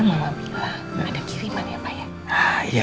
mama bilang ada kiriman ya pak ya